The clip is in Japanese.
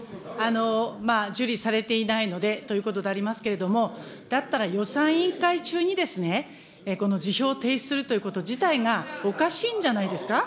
受理されていないのでということでありますけれども、だったら予算委員会中にですね、この辞表を提出するということ自体がおかしいんじゃないですか。